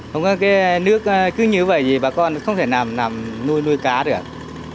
không có cái nước cứ như vậy thì bà con không thể nằm nằm nuôi cá được